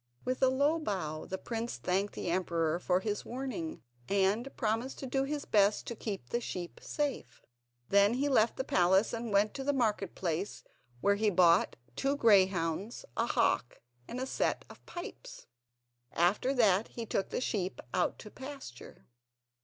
With a low bow the prince thanked the emperor for his warning, and promised to do his best to keep the sheep safe. Then he left the palace and went to the market place, where he bought two greyhounds, a hawk, and a set of pipes; after that he took the sheep out to pasture.